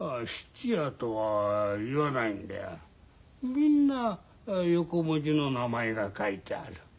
みんな横文字の名前が書いてある。